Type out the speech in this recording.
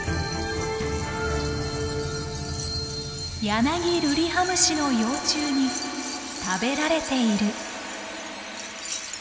「ヤナギルリハムシの幼虫に食べられている」。